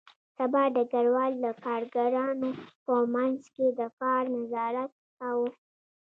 سبا ډګروال د کارګرانو په منځ کې د کار نظارت کاوه